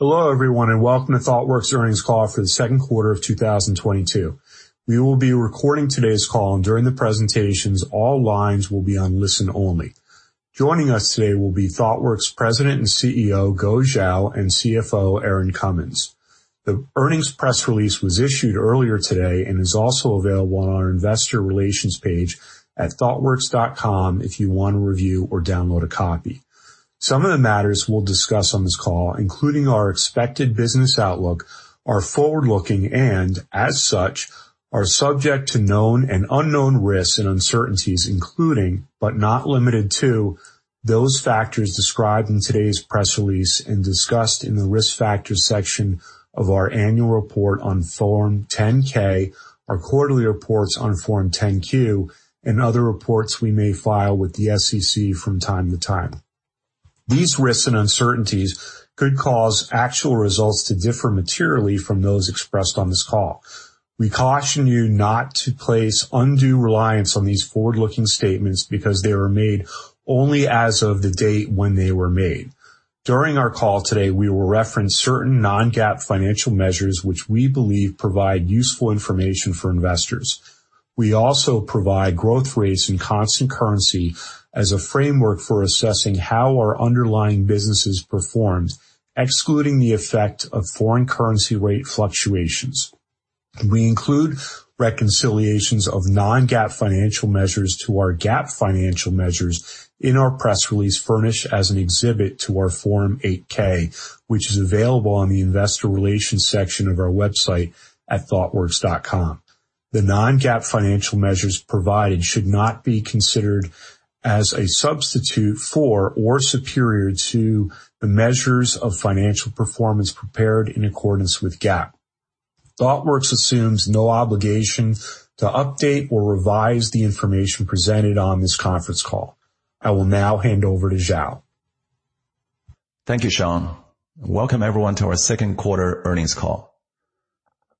Hello everyone, and welcome to Thoughtworks earnings call for the second quarter of 2022. We will be recording today's call, and during the presentations, all lines will be on listen only. Joining us today will be Thoughtworks President and CEO, Xiao Guo, and CFO, Erin Streeter. The earnings press release was issued earlier today and is also available on our investor relations page at thoughtworks.com if you wanna review or download a copy. Some of the matters we'll discuss on this call, including our expected business outlook, are forward-looking, and as such, are subject to known and unknown risks and uncertainties, including, but not limited to, those factors described in today's press release and discussed in the Risk Factors section of our annual report on Form 10-K, our quarterly reports on Form 10-Q, and other reports we may file with the SEC from time to time. These risks and uncertainties could cause actual results to differ materially from those expressed on this call. We caution you not to place undue reliance on these forward-looking statements because they were made only as of the date when they were made. During our call today, we will reference certain non-GAAP financial measures which we believe provide useful information for investors. We also provide growth rates and constant currency as a framework for assessing how our underlying businesses performed, excluding the effect of foreign currency rate fluctuations. We include reconciliations of non-GAAP financial measures to our GAAP financial measures in our press release furnished as an exhibit to our Form 8-K, which is available on the investor relations section of our website at thoughtworks.com. The non-GAAP financial measures provided should not be considered as a substitute for or superior to the measures of financial performance prepared in accordance with GAAP. Thoughtworks assumes no obligation to update or revise the information presented on this conference call. I will now hand over to Guo Xiao. Thank you, Sean. Welcome everyone to our second quarter earnings call.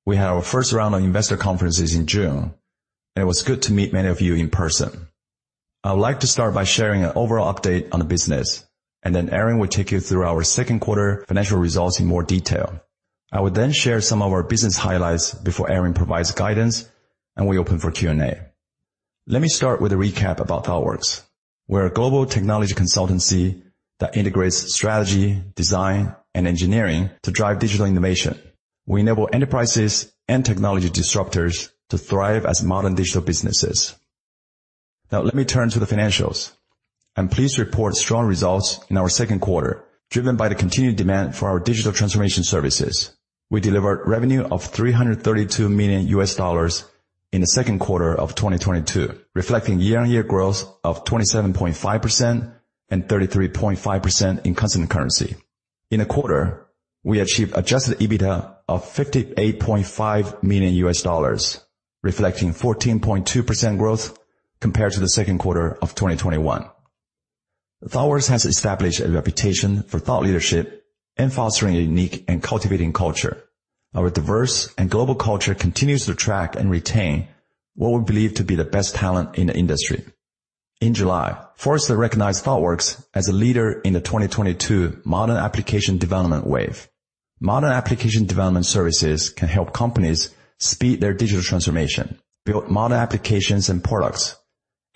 We had our first round of investor conferences in June, and it was good to meet many of you in person. I would like to start by sharing an overall update on the business, and then Erin will take you through our second quarter financial results in more detail. I will then share some of our business highlights before Erin provides guidance, and we open for Q&A. Let me start with a recap about Thoughtworks. We're a global technology consultancy that integrates strategy, design, and engineering to drive digital innovation. We enable enterprises and technology disruptors to thrive as modern digital businesses. Now let me turn to the financials. I'm pleased to report strong results in our second quarter, driven by the continued demand for our digital transformation services. We delivered revenue of $332 million in the second quarter of 2022, reflecting year-over-year growth of 27.5% and 33.5% in constant currency. In the quarter, we achieved adjusted EBITDA of $58.5 million, reflecting 14.2% growth compared to the second quarter of 2021. Thoughtworks has established a reputation for thought leadership and fostering a unique and cultivating culture. Our diverse and global culture continues to attract and retain what we believe to be the best talent in the industry. In July, Forrester recognized Thoughtworks as a leader in the 2022 Modern Application Development Wave. Modern application development services can help companies speed their digital transformation, build modern applications and products,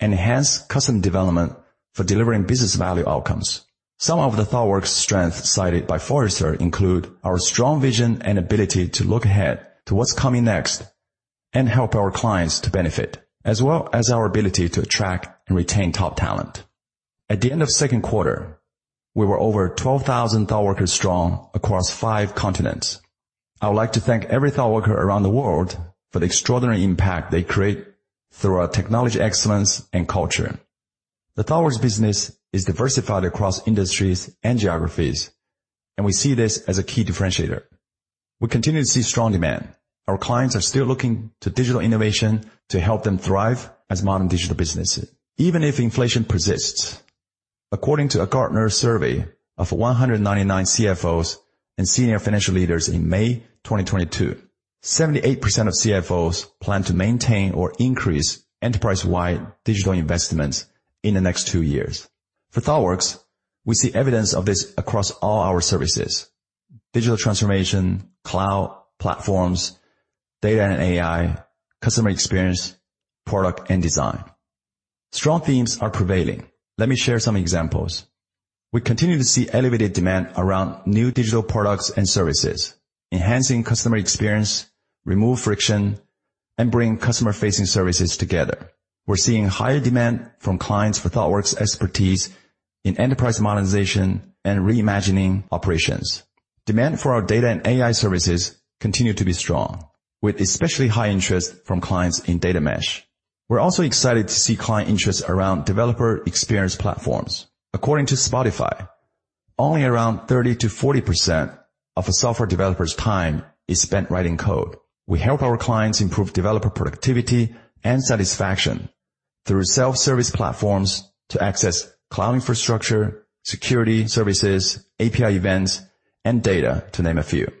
enhance custom development for delivering business value outcomes. Some of the Thoughtworks strengths cited by Forrester include our strong vision and ability to look ahead to what's coming next and help our clients to benefit, as well as our ability to attract and retain top talent. At the end of second quarter, we were over 12,000 Thoughtworkers strong across five continents. I would like to thank every Thoughtworker around the world for the extraordinary impact they create through our technology excellence and culture. The Thoughtworks business is diversified across industries and geographies, and we see this as a key differentiator. We continue to see strong demand. Our clients are still looking to digital innovation to help them thrive as modern digital businesses, even if inflation persists. According to a Gartner survey of 199 CFOs and senior financial leaders in May 2022, 78% of CFOs plan to maintain or increase enterprise-wide digital investments in the next two years. For Thoughtworks, we see evidence of this across all our services, digital transformation, cloud, platforms, data and AI, customer experience, product, and design. Strong themes are prevailing. Let me share some examples. We continue to see elevated demand around new digital products and services, enhancing customer experience, remove friction, and bring customer-facing services together. We're seeing higher demand from clients for Thoughtworks expertise in enterprise modernization and reimagining operations. Demand for our data and AI services continue to be strong, with especially high interest from clients in data mesh. We're also excited to see client interest around developer experience platforms. According to Spotify, only around 30%-40% of a software developer's time is spent writing code. We help our clients improve developer productivity and satisfaction through self-service platforms to access cloud infrastructure, security services, API events, and data, to name a few.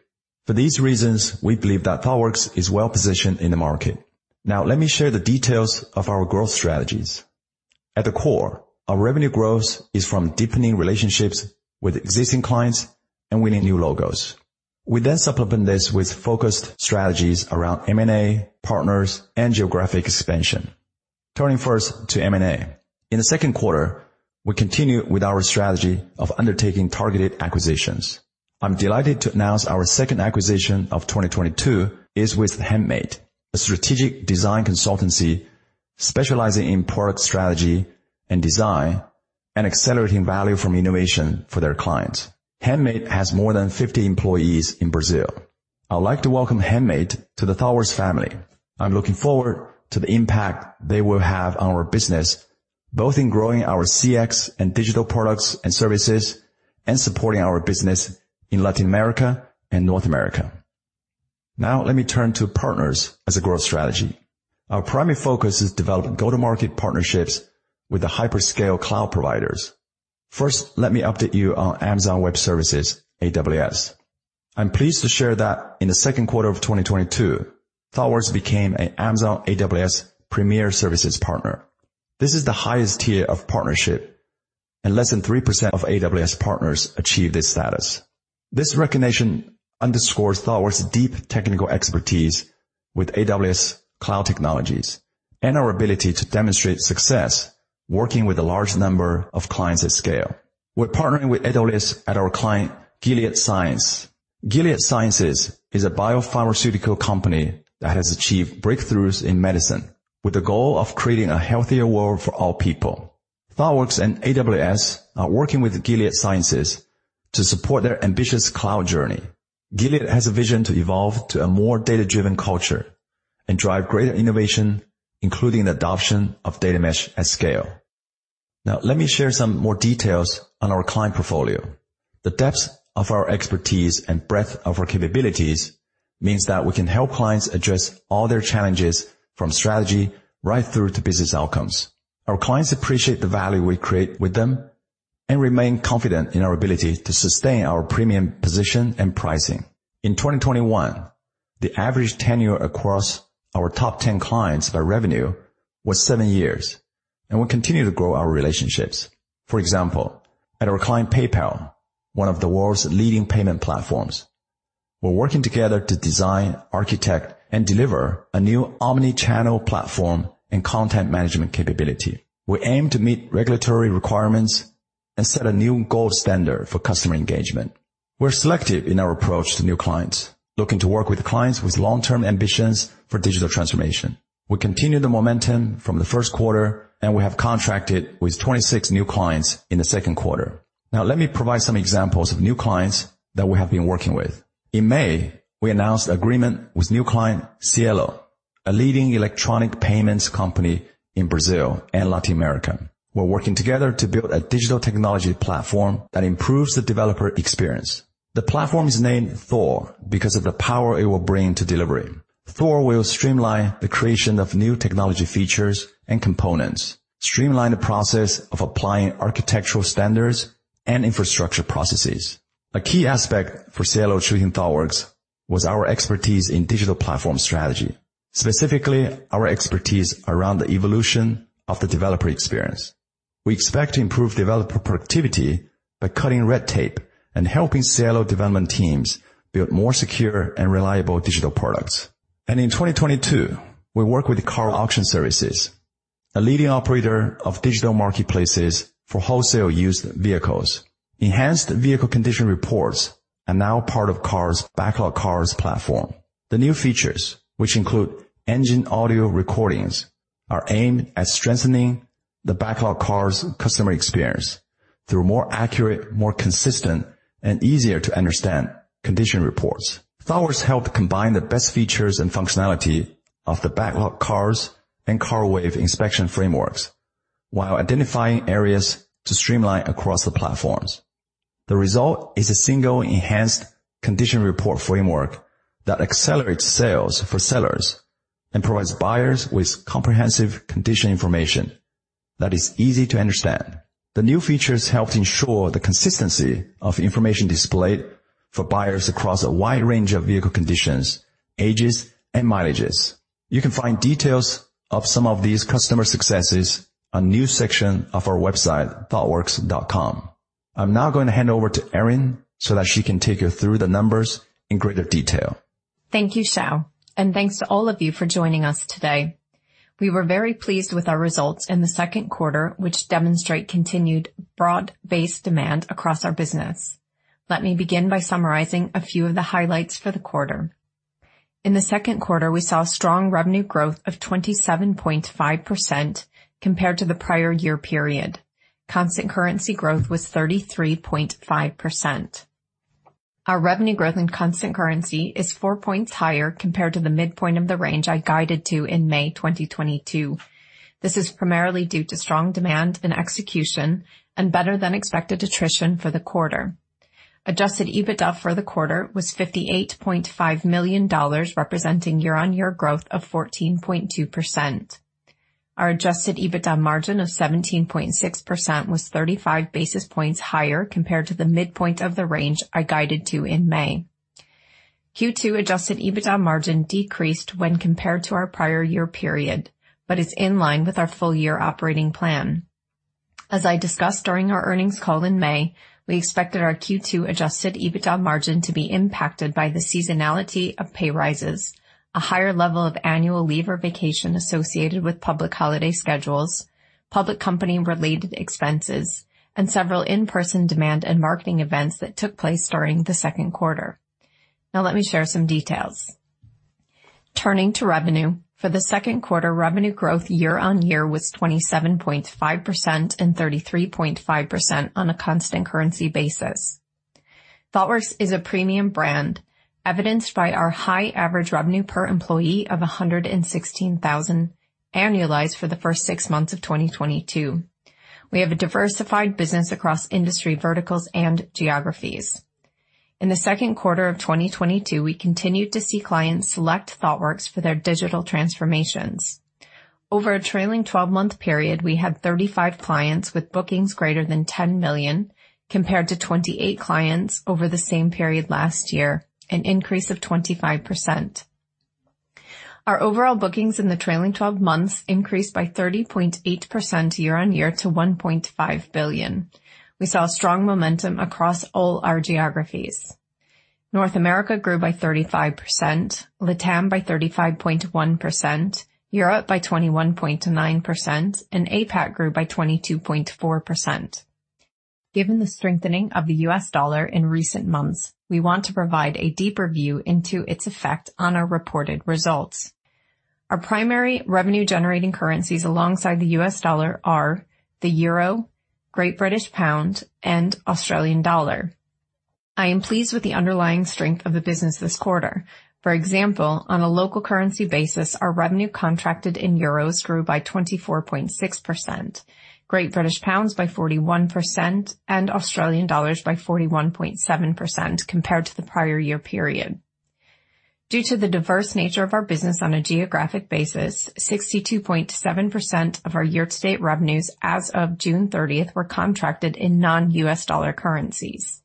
For these reasons, we believe that Thoughtworks is well-positioned in the market. Now let me share the details of our growth strategies. At the core, our revenue growth is from deepening relationships with existing clients and winning new logos. We then supplement this with focused strategies around M&A, partners, and geographic expansion. Turning first to M&A. In the second quarter, we continued with our strategy of undertaking targeted acquisitions. I'm delighted to announce our second acquisition of 2022 is with Handmade, a strategic design consultancy specializing in product strategy and design and accelerating value from innovation for their clients. Handmade has more than 50 employees in Brazil. I would like to welcome Handmade to the Thoughtworks family. I'm looking forward to the impact they will have on our business, both in growing our CX and digital products and services and supporting our business in Latin America and North America. Now let me turn to partners as a growth strategy. Our primary focus is developing go-to-market partnerships with the hyperscale cloud providers. First, let me update you on Amazon Web Services, AWS. I'm pleased to share that in the second quarter of 2022, Thoughtworks became an AWS Premier Tier Services Partner. This is the highest tier of partnership and less than 3% of AWS partners achieve this status. This recognition underscores Thoughtworks' deep technical expertise with AWS cloud technologies and our ability to demonstrate success working with a large number of clients at scale. We're partnering with AWS at our client, Gilead Sciences. Gilead Sciences is a biopharmaceutical company that has achieved breakthroughs in medicine with the goal of creating a healthier world for all people. Thoughtworks and AWS are working with Gilead Sciences to support their ambitious cloud journey. Gilead has a vision to evolve to a more data-driven culture and drive greater innovation, including the adoption of data mesh at scale. Now, let me share some more details on our client portfolio. The depth of our expertise and breadth of our capabilities means that we can help clients address all their challenges from strategy right through to business outcomes. Our clients appreciate the value we create with them and remain confident in our ability to sustain our premium position and pricing. In 2021, the average tenure across our top 10 clients by revenue was seven years, and we continue to grow our relationships. For example, at our client PayPal, one of the world's leading payment platforms, we're working together to design, architect, and deliver a new omni-channel platform and content management capability. We aim to meet regulatory requirements and set a new gold standard for customer engagement. We're selective in our approach to new clients, looking to work with clients with long-term ambitions for digital transformation. We continue the momentum from the first quarter, and we have contracted with 26 new clients in the second quarter. Now let me provide some examples of new clients that we have been working with. In May, we announced an agreement with new client Cielo, a leading electronic payments company in Brazil and Latin America. We're working together to build a digital technology platform that improves the developer experience. The platform is named Thor because of the power it will bring to delivery. Thor will streamline the creation of new technology features and components, streamline the process of applying architectural standards and infrastructure processes. A key aspect for Cielo choosing Thoughtworks was our expertise in digital platform strategy, specifically our expertise around the evolution of the developer experience. We expect to improve developer productivity by cutting red tape and helping Cielo development teams build more secure and reliable digital products. In 2022, we worked with OPENLANE The new features, which include engine audio recordings, are aimed at strengthening the BacklotCars customer experience through more accurate, more consistent, and easier-to-understand condition reports. Thoughtworks helped combine the best features and functionality of the BacklotCars and CarWave inspection frameworks while identifying areas to streamline across the platforms. The result is a single enhanced condition report framework that accelerates sales for sellers and provides buyers with comprehensive condition information that is easy to understand. The new features help to ensure the consistency of information displayed for buyers across a wide range of vehicle conditions, ages, and mileages. You can find details of some of these customer successes on a new section of our website, Thoughtworks.com. I'm now going to hand over to Erin so that she can take you through the numbers in greater detail. Thank you, Guo Xiao, and thanks to all of you for joining us today. We were very pleased with our results in the second quarter, which demonstrate continued broad-based demand across our business. Let me begin by summarizing a few of the highlights for the quarter. In the second quarter, we saw strong revenue growth of 27.5% compared to the prior year period. Constant currency growth was 33.5%. Our revenue growth in constant currency is four points higher compared to the midpoint of the range I guided to in May 2022. This is primarily due to strong demand and execution and better than expected attrition for the quarter. Adjusted EBITDA for the quarter was $58.5 million, representing year-on-year growth of 14.2%. Our adjusted EBITDA margin of 17.6% was 35 basis points higher compared to the midpoint of the range I guided to in May. Q2 adjusted EBITDA margin decreased when compared to our prior year period, but is in line with our full year operating plan. As I discussed during our earnings call in May, we expected our Q2 adjusted EBITDA margin to be impacted by the seasonality of pay rises, a higher level of annual leave or vacation associated with public holiday schedules, public company-related expenses, and several in-person demand and marketing events that took place during the second quarter. Now let me share some details. Turning to revenue. For the second quarter, revenue growth year-on-year was 27.5% and 33.5% on a constant currency basis. Thoughtworks is a premium brand, evidenced by our high average revenue per employee of $116,000 annualized for the first six months of 2022. We have a diversified business across industry verticals and geographies. In the second quarter of 2022, we continued to see clients select Thoughtworks for their digital transformations. Over a trailing twelve-month period, we had 35 clients with bookings greater than $10 million, compared to 28 clients over the same period last year, an increase of 25%. Our overall bookings in the trailing twelve months increased by 30.8% year-on-year to $1.5 billion. We saw strong momentum across all our geographies. North America grew by 35%, LATAM by 35.1%, Europe by 21.9%, and APAC grew by 22.4%. Given the strengthening of the U.S. dollar in recent months, we want to provide a deeper view into its effect on our reported results. Our primary revenue-generating currencies alongside the U.S. dollar are the euro, Great British pound, and Australian dollar. I am pleased with the underlying strength of the business this quarter. For example, on a local currency basis, our revenue contracted in euros grew by 24.6%, Great British pounds by 41%, and Australian dollars by 41.7% compared to the prior year period. Due to the diverse nature of our business on a geographic basis, 62.7% of our year-to-date revenues as of June thirtieth were contracted in non-U.S. dollar currencies.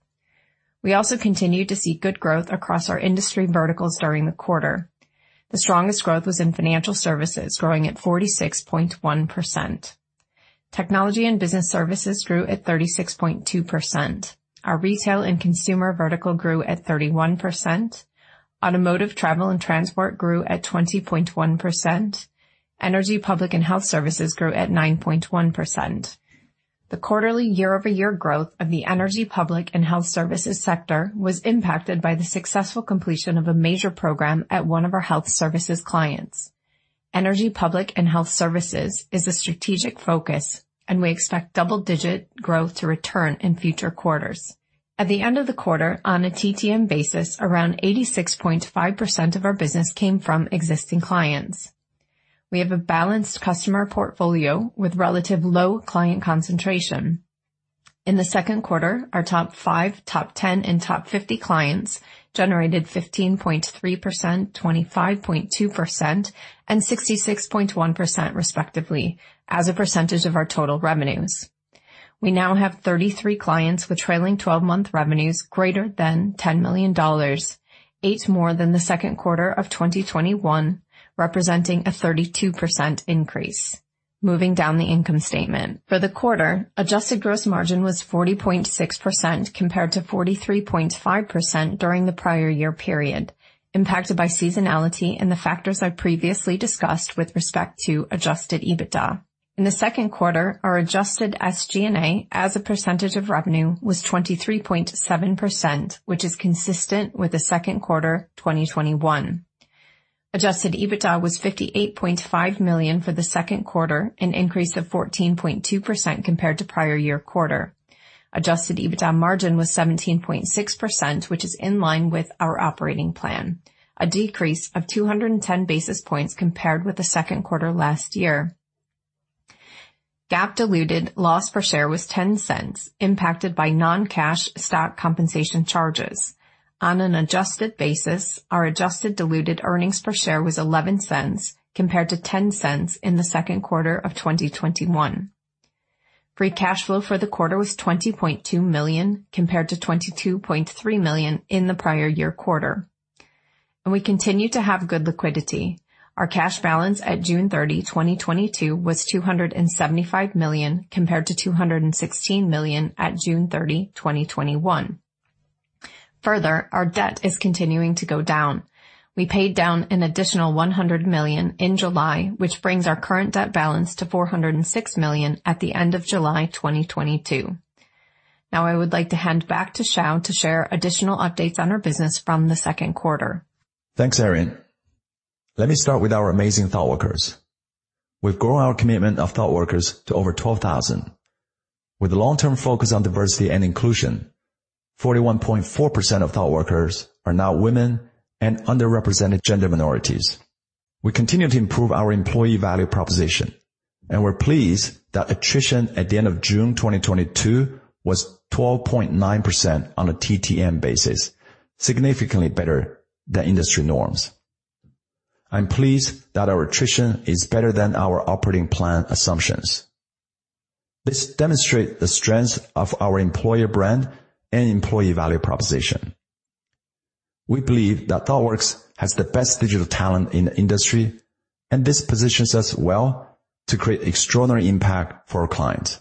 We also continued to see good growth across our industry verticals during the quarter. The strongest growth was in financial services, growing at 46.1%. Technology and business services grew at 36.2%. Our retail and consumer vertical grew at 31%. Automotive, travel, and transport grew at 20.1%. Energy, public, and health services grew at 9.1%. The quarterly year-over-year growth of the energy, public, and health services sector was impacted by the successful completion of a major program at one of our health services clients. Energy, public, and health services is a strategic focus, and we expect double-digit growth to return in future quarters. At the end of the quarter, on a TTM basis, around 86.5% of our business came from existing clients. We have a balanced customer portfolio with relatively low client concentration. In the second quarter, our top five, top 10, and top 50 clients generated 15.3%, 25.2%, and 66.1% respectively as a percentage of our total revenues. We now have 33 clients with trailing twelve-month revenues greater than $10 million, eight more than the second quarter of 2021, representing a 32% increase. Moving down the income statement. For the quarter, adjusted gross margin was 40.6% compared to 43.5% during the prior year period, impacted by seasonality and the factors I previously discussed with respect to adjusted EBITDA. In the second quarter, our adjusted SG&A as a percentage of revenue was 23.7%, which is consistent with the second quarter 2021. Adjusted EBITDA was $58.5 million for the second quarter, an increase of 14.2% compared to prior year quarter. Adjusted EBITDA margin was 17.6%, which is in line with our operating plan, a decrease of 210 basis points compared with the second quarter last year. GAAP diluted loss per share was $0.10, impacted by non-cash stock compensation charges. On an adjusted basis, our adjusted diluted earnings per share was $0.11 compared to $0.10 in the second quarter of 2021. Free cash flow for the quarter was $20.2 million compared to $22.3 million in the prior year quarter. We continue to have good liquidity. Our cash balance at June 30, 2022 was $275 million compared to $216 million at June 30, 2021. Further, our debt is continuing to go down. We paid down an additional $100 million in July, which brings our current debt balance to $406 million at the end of July 2022. Now I would like to hand back to Guo Xiao to share additional updates on our business from the second quarter. Thanks, Erin. Let me start with our amazing ThoughtWorkers. We've grown our commitment of ThoughtWorkers to over 12,000. With long-term focus on diversity and inclusion, 41.4% of ThoughtWorkers are now women and underrepresented gender minorities. We continue to improve our employee value proposition, and we're pleased that attrition at the end of June 2022 was 12.9% on a TTM basis, significantly better than the industry norms. I'm pleased that our attrition is better than our operating plan assumptions. This demonstrate the strength of our employer brand and employee value proposition. We believe that Thoughtworks has the best digital talent in the industry, and this positions us well to create extraordinary impact for our clients.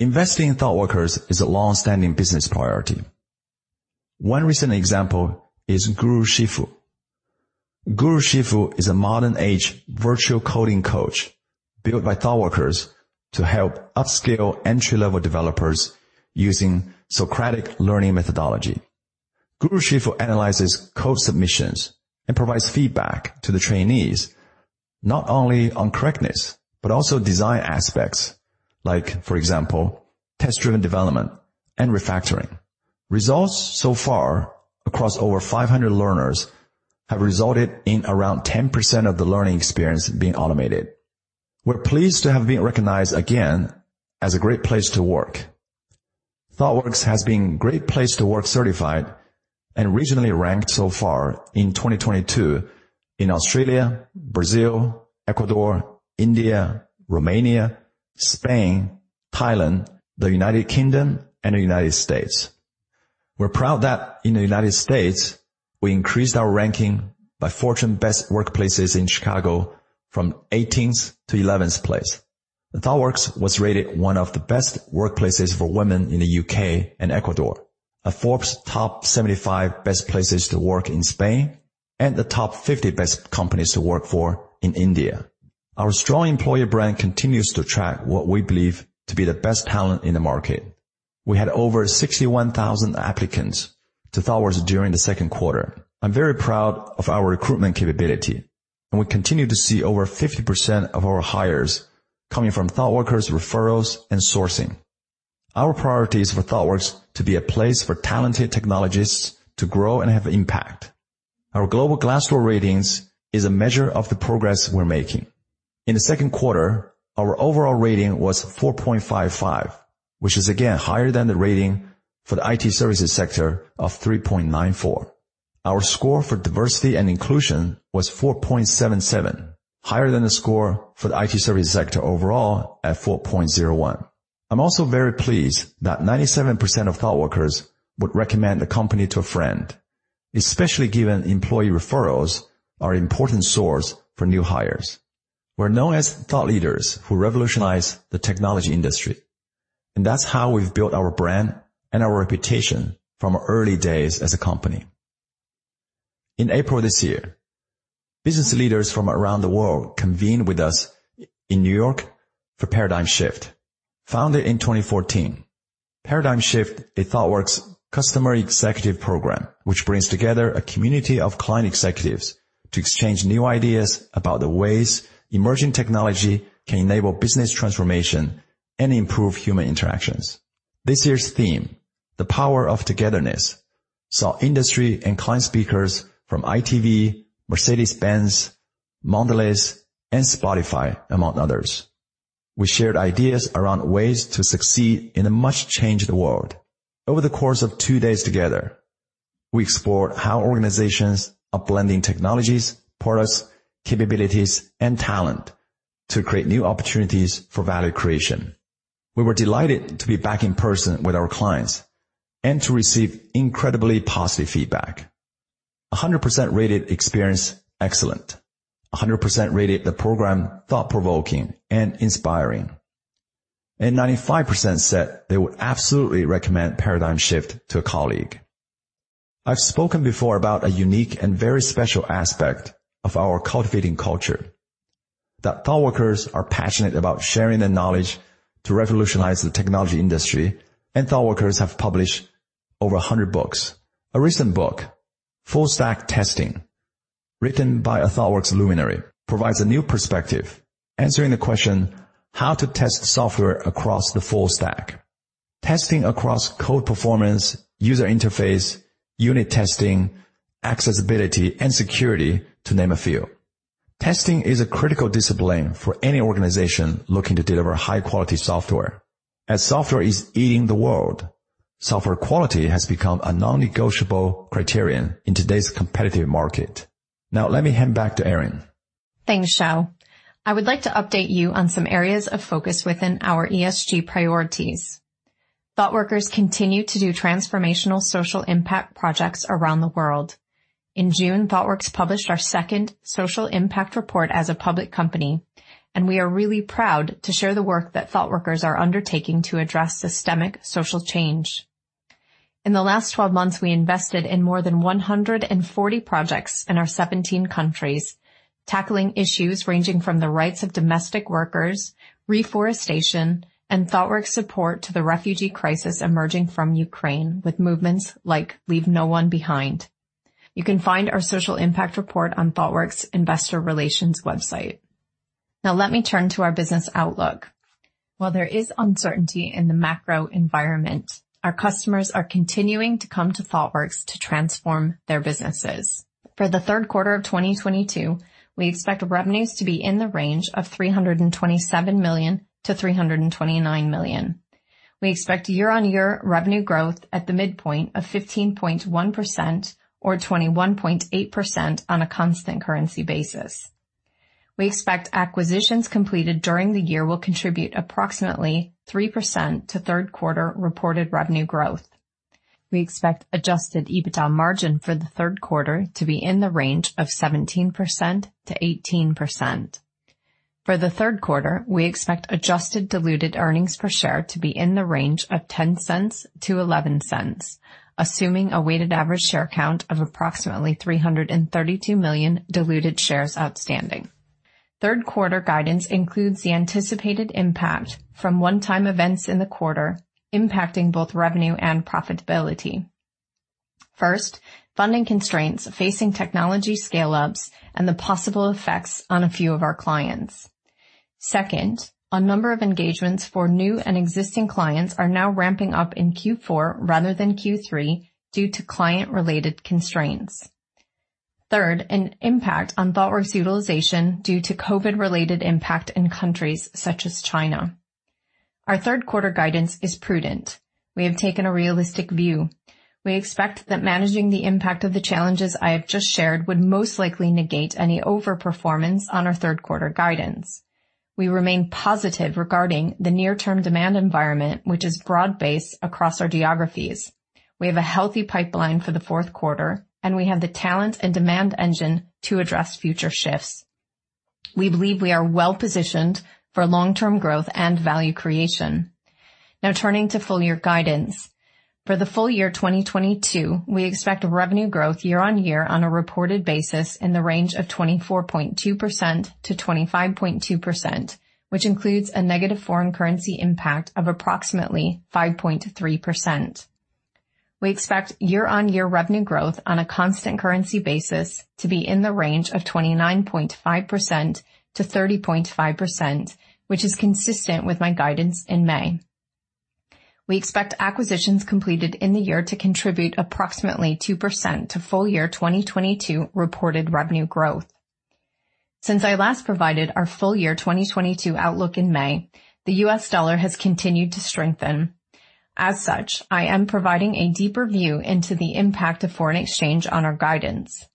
Investing in ThoughtWorkers is a long-standing business priority. One recent example is GuruShifu. GuruShifu is a modern age virtual coding coach built by Thoughtworkers to help upskill entry-level developers using Socratic learning methodology. GuruShifu analyzes code submissions and provides feedback to the trainees, not only on correctness, but also design aspects like, for example, test-driven development and refactoring. Results so far across over 500 learners have resulted in around 10% of the learning experience being automated. We're pleased to have been recognized again as a great place to work. Thoughtworks has been a great place to work certified and regionally ranked so far in 2022 in Australia, Brazil, Ecuador, India, Romania, Spain, Thailand, the United Kingdom, and the United States. We're proud that in the United States, we increased our ranking by Fortune Best Workplaces in Chicago from 18th to 11th place. Thoughtworks was rated one of the best workplaces for women in the U.K. and Ecuador. A Forbes Top 75 Best Places to Work in Spain and the top 50 Best Companies to Work for in India. Our strong employer brand continues to attract what we believe to be the best talent in the market. We had over 61,000 applicants to Thoughtworks during the second quarter. I'm very proud of our recruitment capability, and we continue to see over 50% of our hires coming from Thoughtworkers referrals and sourcing. Our priorities for Thoughtworks to be a place for talented technologists to grow and have impact. Our global Glassdoor ratings is a measure of the progress we're making. In the second quarter, our overall rating was 4.55, which is again higher than the rating for the IT services sector of 3.94. Our score for diversity and inclusion was 4.77, higher than the score for the IT service sector overall at 4.01. I'm also very pleased that 97% of Thoughtworkers would recommend the company to a friend, especially given employee referrals are important source for new hires. We're known as thought leaders who revolutionize the technology industry, and that's how we've built our brand and our reputation from our early days as a company. In April this year, business leaders from around the world convened with us in New York for ParadigmShift. Founded in 2014, ParadigmShift, a Thoughtworks customer executive program which brings together a community of client executives to exchange new ideas about the ways emerging technology can enable business transformation and improve human interactions. This year's theme, The Power of Togetherness, saw industry and client speakers from ITV, Mercedes-Benz, Mondelez, and Spotify, among others. We shared ideas around ways to succeed in a much changed world. Over the course of two days together, we explored how organizations are blending technologies, products, capabilities, and talent to create new opportunities for value creation. We were delighted to be back in person with our clients and to receive incredibly positive feedback. 100% rated experience excellent. 100% rated the program thought-provoking and inspiring. 95 said they would absolutely recommend Paradigm Shift to a colleague. I've spoken before about a unique and very special aspect of our cultivating culture, that Thoughtworkers are passionate about sharing their knowledge to revolutionize the technology industry, and Thoughtworkers have published over 100 books. A recent book, Full Stack Testing, written by a Thoughtworks luminary, provides a new perspective, answering the question, how to test software across the full stack. Testing across code performance, user interface, unit testing, accessibility, and security, to name a few. Testing is a critical discipline for any organization looking to deliver high-quality software. As software is eating the world, software quality has become a non-negotiable criterion in today's competitive market. Now let me hand back to Erin. Thanks, Xiao Guo. I would like to update you on some areas of focus within our ESG priorities. Thoughtworkers continue to do transformational social impact projects around the world. In June, Thoughtworks published our second social impact report as a public company, and we are really proud to share the work that Thoughtworkers are undertaking to address systemic social change. In the last 12 months, we invested in more than 140 projects in our 17 countries, tackling issues ranging from the rights of domestic workers, reforestation, and Thoughtworks' support to the refugee crisis emerging from Ukraine with movements like LeaveNoOneBehind. You can find our social impact report on Thoughtworks' investor relations website. Now let me turn to our business outlook. While there is uncertainty in the macro environment, our customers are continuing to come to Thoughtworks to transform their businesses. For the third quarter of 2022, we expect revenues to be in the range of $327 million-$329 million. We expect year-on-year revenue growth at the midpoint of 15.1% or 21.8% on a constant currency basis. We expect acquisitions completed during the year will contribute approximately 3% to third quarter reported revenue growth. We expect adjusted EBITDA margin for the third quarter to be in the range of 17%-18%. For the third quarter, we expect adjusted diluted earnings per share to be in the range of $0.10-$0.11, assuming a weighted average share count of approximately 332 million diluted shares outstanding. Third quarter guidance includes the anticipated impact from one-time events in the quarter, impacting both revenue and profitability. First, funding constraints facing technology scale-ups and the possible effects on a few of our clients. Second, a number of engagements for new and existing clients are now ramping up in Q4 rather than Q3 due to client-related constraints. Third, an impact on Thoughtworks utilization due to COVID-related impact in countries such as China. Our third quarter guidance is prudent. We have taken a realistic view. We expect that managing the impact of the challenges I have just shared would most likely negate any over-performance on our third quarter guidance. We remain positive regarding the near-term demand environment, which is broad-based across our geographies. We have a healthy pipeline for the fourth quarter, and we have the talent and demand engine to address future shifts. We believe we are well-positioned for long-term growth and value creation. Now turning to full-year guidance. For the full year 2022, we expect revenue growth year-on-year on a reported basis in the range of 24.2%-25.2%, which includes a negative foreign currency impact of approximately 5.3%. We expect year-on-year revenue growth on a constant currency basis to be in the range of 29.5%-30.5%, which is consistent with my guidance in May. We expect acquisitions completed in the year to contribute approximately 2% to full year 2022 reported revenue growth. Since I last provided our full year 2022 outlook in May, the US dollar has continued to strengthen. As such, I am providing a deeper view into the impact of foreign exchange on our guidance.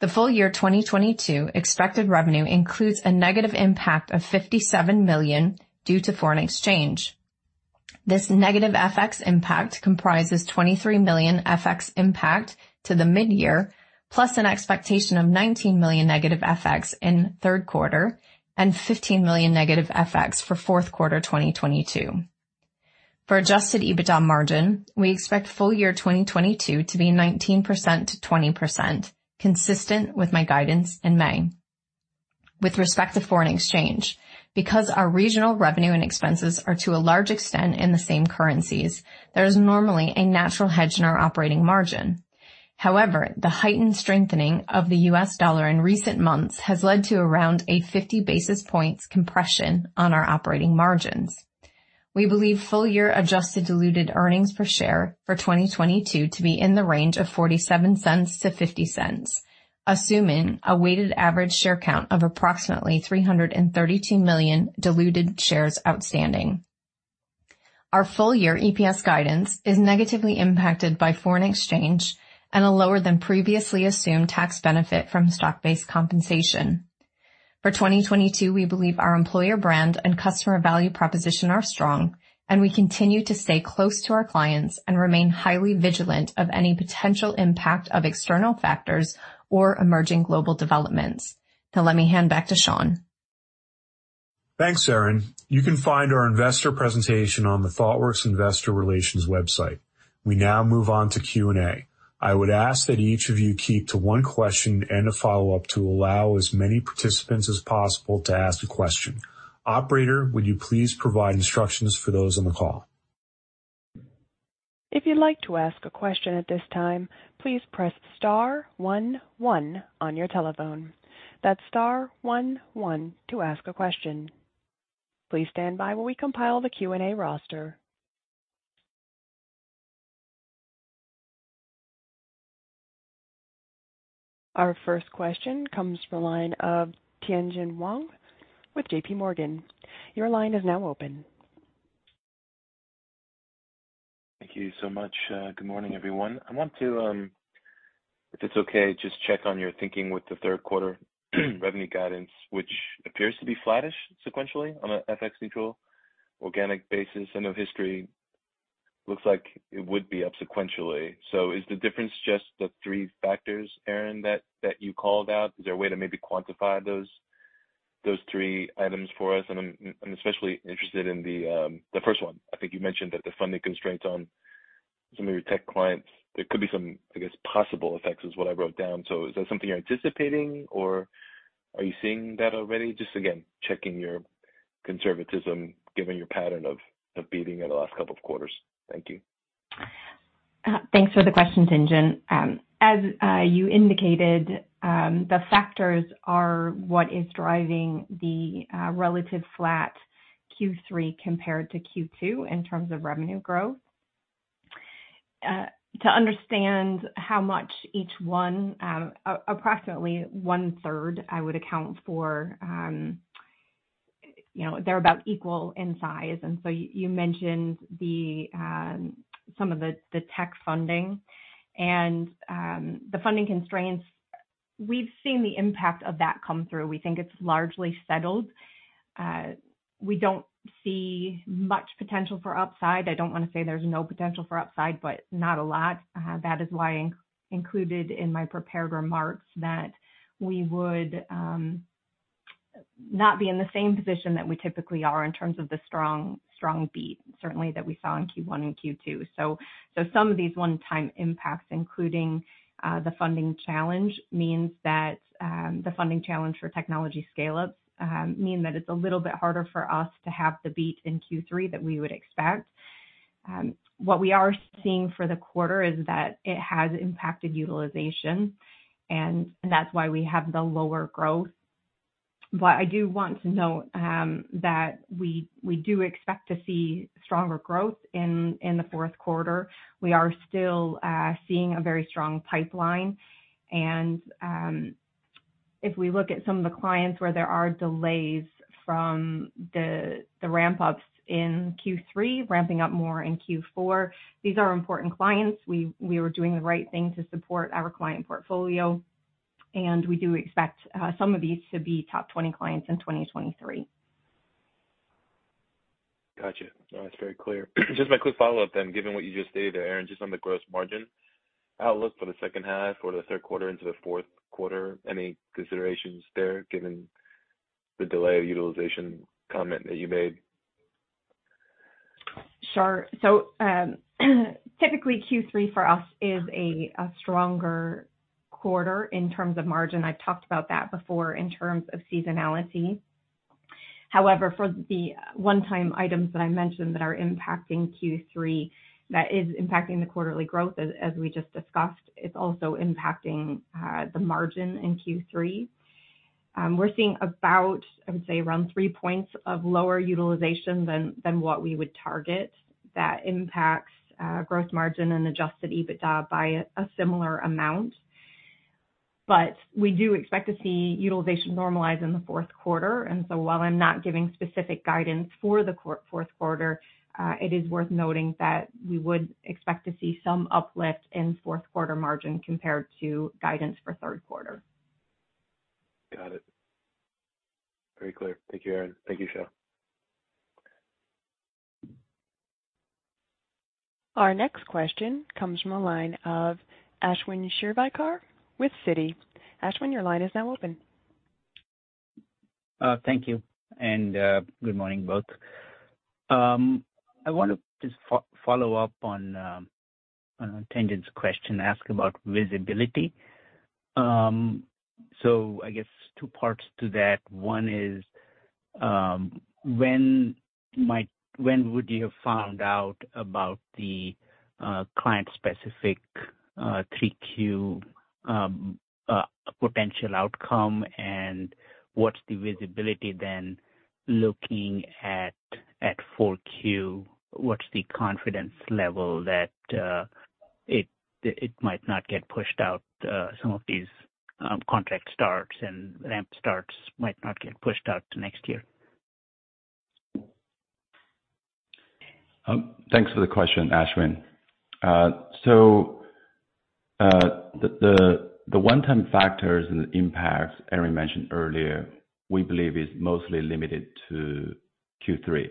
The full year 2022 expected revenue includes a negative impact of $57 million due to foreign exchange. This negative FX impact comprises $23 million FX impact to the mid-year, plus an expectation of $19 million negative FX in third quarter and $15 million negative FX for fourth quarter 2022. For adjusted EBITDA margin, we expect full year 2022 to be 19%-20%, consistent with my guidance in May. With respect to foreign exchange, because our regional revenue and expenses are to a large extent in the same currencies, there is normally a natural hedge in our operating margin. However, the heightened strengthening of the U.S. dollar in recent months has led to around a 50 basis points compression on our operating margins. We believe full year adjusted diluted earnings per share for 2022 to be in the range of $0.47-$0.50, assuming a weighted average share count of approximately 332 million diluted shares outstanding. Our full year EPS guidance is negatively impacted by foreign exchange and a lower than previously assumed tax benefit from stock-based compensation. For 2022, we believe our employer brand and customer value proposition are strong, and we continue to stay close to our clients and remain highly vigilant of any potential impact of external factors or emerging global developments. Now let me hand back to Sean. Thanks, Erin. You can find our investor presentation on the Thoughtworks investor relations website. We now move on to Q&A. I would ask that each of you keep to one question and a follow-up to allow as many participants as possible to ask a question. Operator, would you please provide instructions for those on the call? If you'd like to ask a question at this time, please press star one one on your telephone. That's star one one to ask a question. Please stand by while we compile the Q&A roster. Our first question comes from the line of Tien-Tsin Huang with JP Morgan. Your line is now open. Thank you so much. Good morning, everyone. I want to, if it's okay, just check on your thinking with the third quarter revenue guidance, which appears to be flattish sequentially on a FX neutral organic basis. I know history looks like it would be up sequentially. Is the difference just the three factors, Erin, that you called out? Is there a way to maybe quantify those three items for us? I'm especially interested in the first one. I think you mentioned that the funding constraints on some of your tech clients, there could be some, I guess, possible effects is what I wrote down. Is that something you're anticipating or are you seeing that already? Just again, checking your conservatism given your pattern of beating in the last couple of quarters. Thank you. Thanks for the question, Tien-Tsin Huang. As you indicated, the factors are what is driving the relatively flat Q3 compared to Q2 in terms of revenue growth. To understand how much each one, approximately one-third I would account for, you know, they're about equal in size. You mentioned some of the tech funding and the funding constraints. We've seen the impact of that come through. We think it's largely settled. We don't see much potential for upside. I don't wanna say there's no potential for upside, but not a lot. That is why included in my prepared remarks that we would not be in the same position that we typically are in terms of the strong beat, certainly that we saw in Q1 and Q2. Some of these one-time impacts, including the funding challenge, means that the funding challenge for technology scale-up mean that it's a little bit harder for us to have the beat in Q3 that we would expect. What we are seeing for the quarter is that it has impacted utilization, and that's why we have the lower growth. I do want to note that we do expect to see stronger growth in the fourth quarter. We are still seeing a very strong pipeline. If we look at some of the clients where there are delays from the ramp-ups in Q3, ramping up more in Q4, these are important clients. We are doing the right thing to support our client portfolio, and we do expect some of these to be top 20 clients in 2023. Gotcha. No, that's very clear. Just my quick follow-up then, given what you just stated there, Erin, just on the gross margin outlook for the second half or the third quarter into the fourth quarter, any considerations there, given the delay of utilization comment that you made? Sure. Typically Q3 for us is a stronger quarter in terms of margin. I've talked about that before in terms of seasonality. However, for the one-time items that I mentioned that are impacting Q3, that is impacting the quarterly growth as we just discussed, it's also impacting the margin in Q3. We're seeing about, I would say around 3 points of lower utilization than what we would target. That impacts growth margin and adjusted EBITDA by a similar amount. We do expect to see utilization normalize in the fourth quarter. While I'm not giving specific guidance for the fourth quarter, it is worth noting that we would expect to see some uplift in fourth quarter margin compared to guidance for third quarter. Got it. Very clear. Thank you, Erin. Thank you, Xiao. Our next question comes from a line of Ashwin Shirvaikar with Citi. Ashwin, your line is now open. Thank you, and good morning both. I want to just follow up on Tien-Tsin Huang's question, ask about visibility. I guess two parts to that. One is, when would you have found out about the client-specific 3Q potential outcome? And what's the visibility then looking at 4Q? What's the confidence level that it might not get pushed out, some of these contract starts and ramp starts might not get pushed out to next year? Thanks for the question, Ashwin. The one-time factors and the impacts Erin mentioned earlier, we believe is mostly limited to Q3.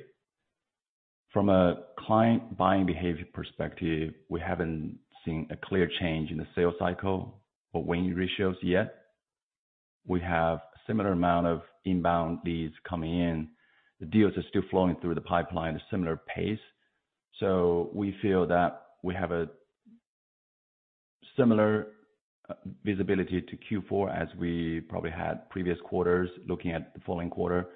From a client buying behavior perspective, we haven't seen a clear change in the sales cycle or winning ratios yet. We have similar amount of inbound leads coming in. The deals are still flowing through the pipeline at a similar pace. We feel that we have a similar visibility to Q4 as we probably had previous quarters looking at the following quarter.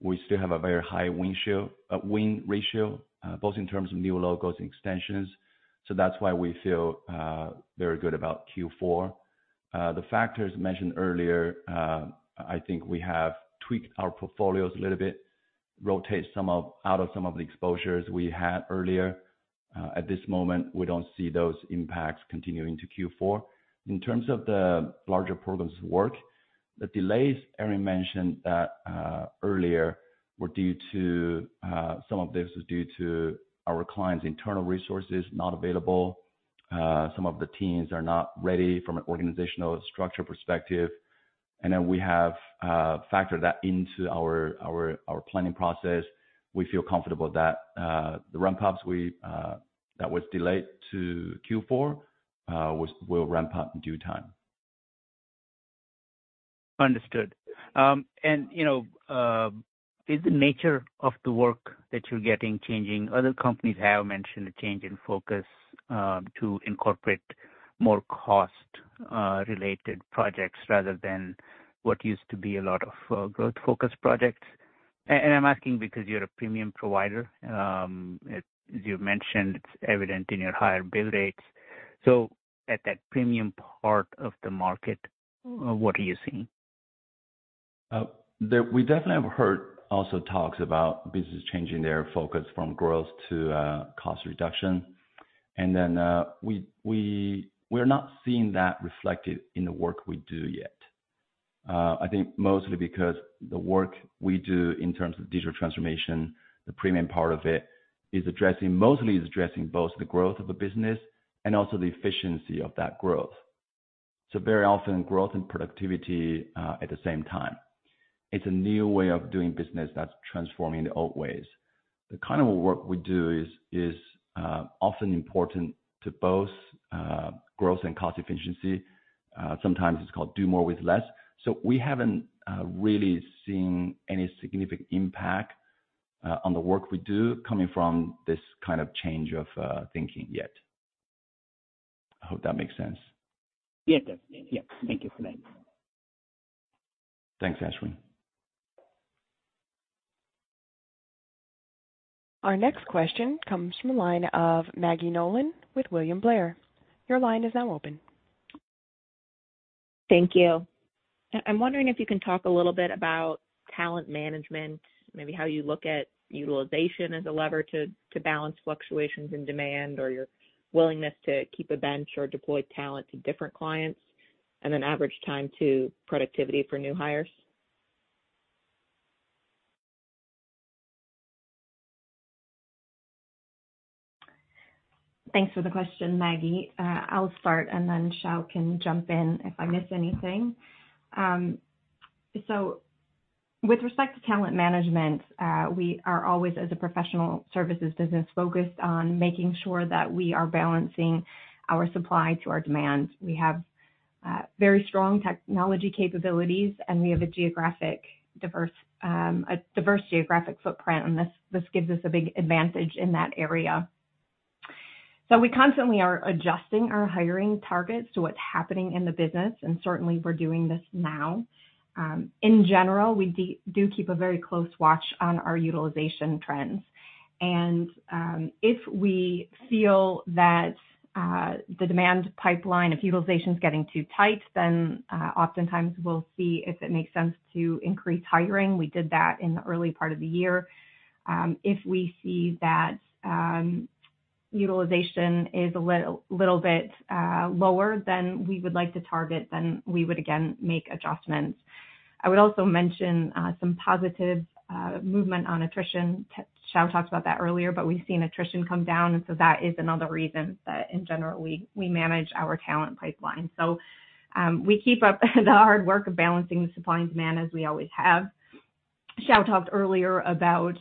We still have a very high win ratio both in terms of new logos and extensions. That's why we feel very good about Q4. The factors mentioned earlier, I think we have tweaked our portfolios a little bit, rotate some out of some of the exposures we had earlier. At this moment, we don't see those impacts continuing to Q4. In terms of the larger programs work, the delays Erin mentioned earlier were due to some of this is due to our clients' internal resources not available. Some of the teams are not ready from an organizational structure perspective. We have factored that into our planning process. We feel comfortable that the ramp-ups that was delayed to Q4 will ramp up in due time. Understood. You know, is the nature of the work that you're getting changing? Other companies have mentioned a change in focus to incorporate more cost-related projects rather than what used to be a lot of growth-focused projects. I'm asking because you're a premium provider. As you've mentioned, it's evident in your higher bill rates. At that premium part of the market, what are you seeing? We definitely have heard also talks about business changing their focus from growth to cost reduction. We're not seeing that reflected in the work we do yet. I think mostly because the work we do in terms of digital transformation, the premium part of it is addressing both the growth of the business and also the efficiency of that growth. Very often growth and productivity at the same time. It's a new way of doing business that's transforming the old ways. The kind of work we do is often important to both growth and cost efficiency. Sometimes it's called do more with less. We haven't really seen any significant impact on the work we do coming from this kind of change of thinking yet. I hope that makes sense. Yeah, it does. Yeah. Thank you. Thanks, Ashwin. Our next question comes from the line of Maggie Nolan with William Blair. Your line is now open. Thank you. I'm wondering if you can talk a little bit about talent management, maybe how you look at utilization as a lever to balance fluctuations in demand or your willingness to keep a bench or deploy talent to different clients, and then average time to productivity for new hires. Thanks for the question, Maggie. I'll start and then Xiao Guo can jump in if I miss anything. With respect to talent management, we are always, as a professional services business, focused on making sure that we are balancing our supply to our demand. We have very strong technology capabilities, and we have a diverse geographic footprint, and this gives us a big advantage in that area. We constantly are adjusting our hiring targets to what's happening in the business, and certainly we're doing this now. In general, we do keep a very close watch on our utilization trends. If we feel that the demand pipeline of utilization is getting too tight, then oftentimes we'll see if it makes sense to increase hiring. We did that in the early part of the year. If we see that utilization is a little bit lower than we would like to target, then we would again make adjustments. I would also mention some positive movement on attrition. Xiao Guo talked about that earlier, but we've seen attrition come down, and that is another reason that in general we manage our talent pipeline. We keep up the hard work of balancing the supply and demand as we always have. Xiao Guo talked earlier about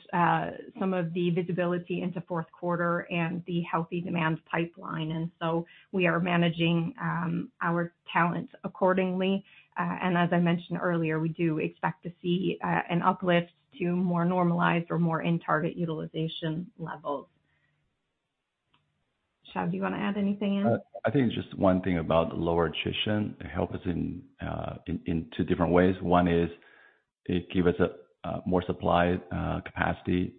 some of the visibility into fourth quarter and the healthy demand pipeline, and we are managing our talent accordingly. As I mentioned earlier, we do expect to see an uplift to more normalized or more in-target utilization levels. Xiao Guo, do you want to add anything in? I think it's just one thing about the lower attrition. It help us in two different ways. One is it give us more supply capacity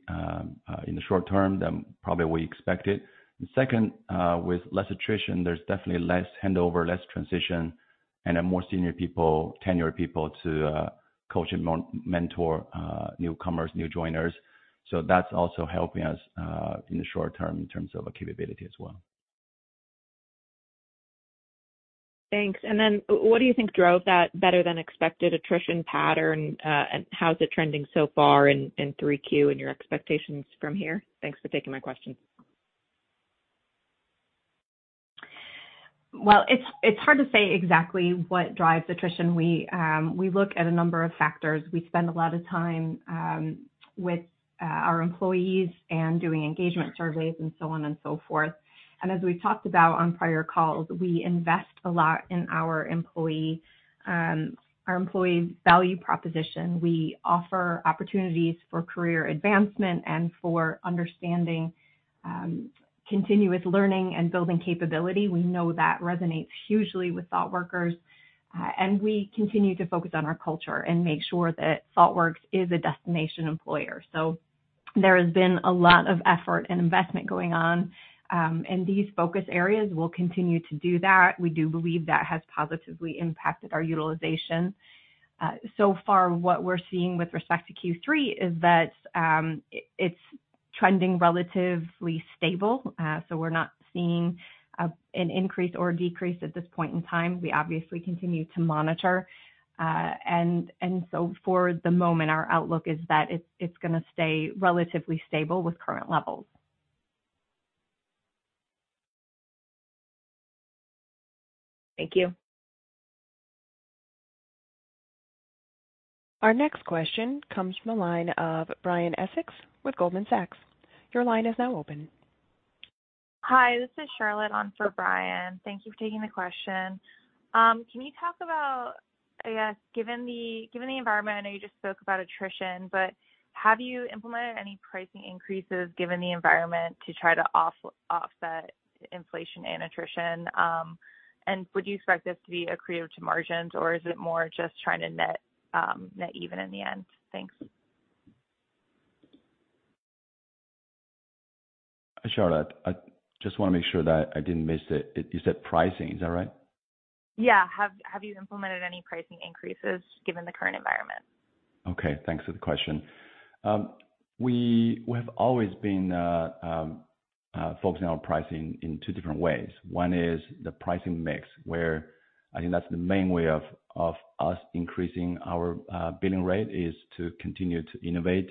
in the short term than probably we expected. Second, with less attrition, there's definitely less handover, less transition, and more senior people, tenured people to coach and mentor newcomers, new joiners. That's also helping us in the short term in terms of capability as well. Thanks. What do you think drove that better than expected attrition pattern? And how is it trending so far in 3Q and your expectations from here? Thanks for taking my question. It's hard to say exactly what drives attrition. We look at a number of factors. We spend a lot of time with our employees and doing engagement surveys and so on and so forth. As we've talked about on prior calls, we invest a lot in our employee's value proposition. We offer opportunities for career advancement and for understanding continuous learning and building capability. We know that resonates hugely with Thoughtworkers. We continue to focus on our culture and make sure that Thoughtworks is a destination employer. There has been a lot of effort and investment going on in these focus areas. We'll continue to do that. We do believe that has positively impacted our utilization. So far, what we're seeing with respect to Q3 is that it's trending relatively stable. We're not seeing an increase or decrease at this point in time. We obviously continue to monitor. For the moment, our outlook is that it's gonna stay relatively stable with current levels. Thank you. Our next question comes from the line of Bryan Essex with Goldman Sachs. Your line is now open. Hi, this is Charlotte on for Bryan. Thank you for taking the question. Can you talk about, I guess, given the environment, I know you just spoke about attrition, but have you implemented any pricing increases given the environment to try to offset inflation and attrition? Would you expect this to be accretive to margins, or is it more just trying to net-net even in the end? Thanks. Charlotte, I just wanna make sure that I didn't miss it. You said pricing, is that right? Yeah. Have you implemented any pricing increases given the current environment? Okay. Thanks for the question. We have always been focusing on pricing in two different ways. One is the pricing mix, where I think that's the main way of us increasing our billing rate, is to continue to innovate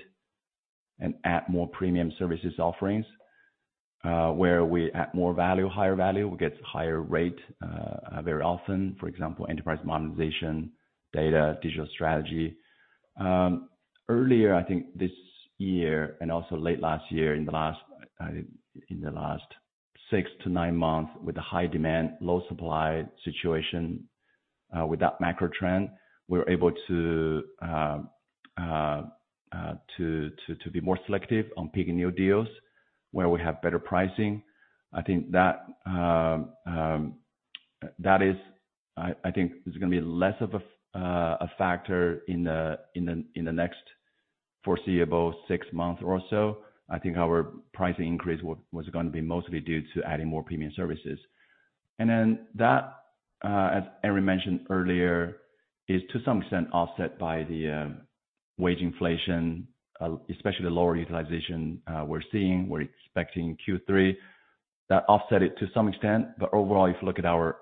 and add more premium services offerings, where we add more value, higher value, we get higher rate, very often. For example, enterprise modernization, data, digital strategy. Earlier, I think this year and also late last year, in the last 6-9 months, with the high demand, low supply situation, with that macro trend, we were able to be more selective on picking new deals where we have better pricing. I think that is gonna be less of a factor in the next foreseeable six months or so. I think our pricing increase was gonna be mostly due to adding more premium services. That, as Erin mentioned earlier, is to some extent offset by the wage inflation, especially the lower utilization we're seeing, we're expecting in Q3. That offset it to some extent, but overall, if you look at our